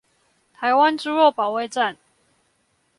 台灣豬肉保衛戰